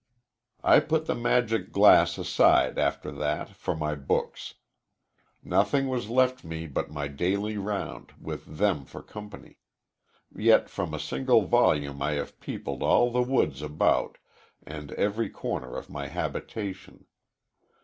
"I put the magic glass aside after that for my books. Nothing was left me but my daily round, with them for company. Yet from a single volume I have peopled all the woods about, and every corner of my habitation.